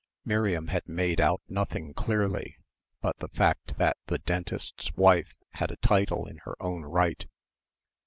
Miriam had made out nothing clearly, but the fact that the dentist's wife had a title in her own right.